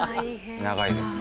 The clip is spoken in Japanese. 長いですね。